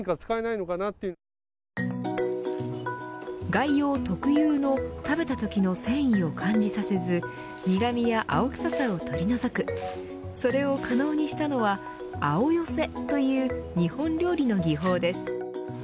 外葉特有の食べたときの繊維を感じさせず苦味や青臭さを取り除くそれを可能にしたのは青寄せという日本料理の技法です。